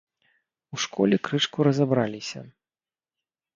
У школе крышку разабраліся.